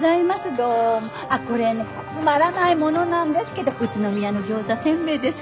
あっこれねつまらないものなんですけど宇都宮の餃子煎餅です。